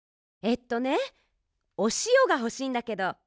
えっとねおしおがほしいんだけど。